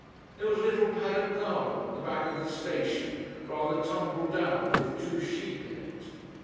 There was a little paddock garden at the back of the Station, rather tumble down, with two sheep in it.